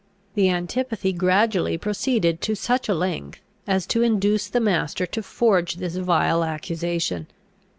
The antipathy gradually proceeded to such a length, as to induce the master to forge this vile accusation.